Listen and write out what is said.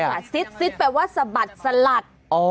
ซิดแปลว่าสะบัดสลัด